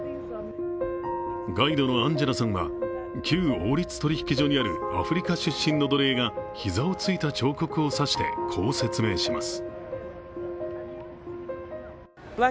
ガイドのアンジェラさんは旧王立取引所にあるアフリカ出身の奴隷が膝をついた彫刻を指してこう説明します。